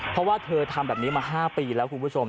เพราะว่าเธอทำแบบนี้มา๕ปีแล้วคุณผู้ชม